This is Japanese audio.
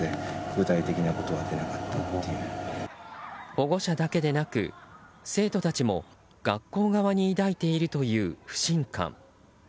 保護者だけでなく、生徒たちも学校側に抱いているという不信感。